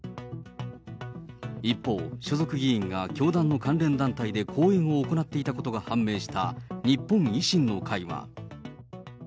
一方、所属議員が教団の関連団体で講演を行っていたことが判明した、日本維新の会は。